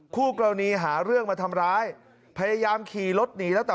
คู่กรณีหาเรื่องมาทำร้ายพยายามขี่รถหนีแล้วแต่